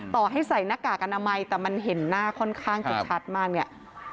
ต่อให้ใส่หน้ากากอนามัยแต่มันเห็นหน้าค่อนข้างจะชัดมากเนี่ย